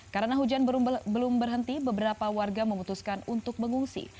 karena hujan belum berhenti beberapa warga memutuskan untuk mengungsi